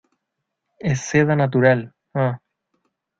es seda natural. ah .